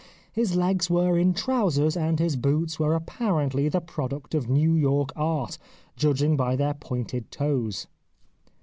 His legs were in trousers, and his boots were apparently the product of New York art, judging by their pointed toes.